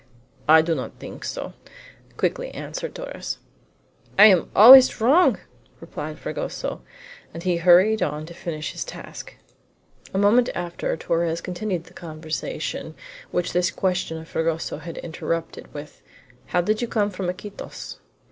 "I do not think so," quickly answered Torres. "I am always wrong!" replied Fragoso, and he hurried on to finish his task. A moment after Torres continued the conversation which this question of Fragoso had interrupted, with: "How did you come from Iquitos?"